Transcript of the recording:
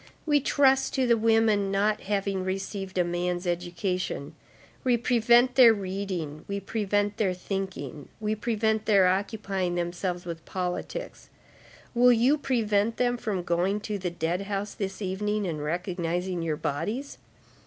We trust to the women not having received a man's education, we prevent their reading, we prevent their thinking, we prevent their occupying themselves with politics; will you prevent them from going to the dead house this evening, and recognizing your bodies?